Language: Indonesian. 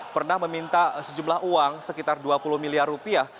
pernah meminta sejumlah uang sekitar dua puluh miliar rupiah